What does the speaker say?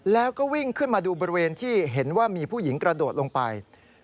แล้วก็วิ่งขึ้นมาดูบริเวณที่เห็นว่ามีผู้หญิงกระโดดลงไป